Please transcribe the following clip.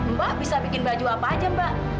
mbak bisa bikin baju apa aja mbak